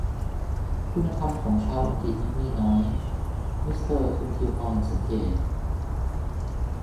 คุณธรรมของชาวอังกฤษนั้นมีน้อย มิสเตอร์ทุลคิงฮอร์นสังเกต